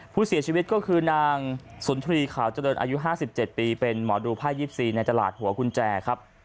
ผู้เสียชีวิตก็คือนางสุนทรีขาวเจริญอายุ๕๗ปีเป็นหมอดูภาค๒๔ในตลาดหัวกุญแจครับ